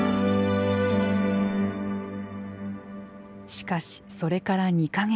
しかしそれから２か月。